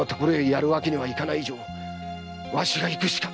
やるわけにはいかない以上わしが行くしか！